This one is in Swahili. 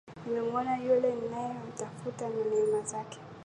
Nimemuona yule ninayemtafuta na neema zake.